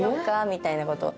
みたいなこと。